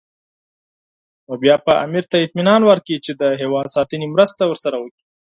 نو بیا به امیر ته اطمینان ورکړي چې د هېواد ساتنې مرسته ورسره کوي.